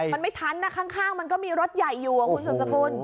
มันไม่ทันนะข้างมันก็มีรถใหญ่อยู่คุณสุดสกุล